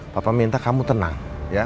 papa minta kamu tenang